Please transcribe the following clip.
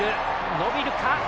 伸びるか？